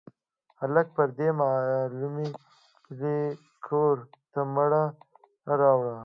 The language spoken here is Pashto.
هلکه، پردۍ معاملې کور ته مه راوړه.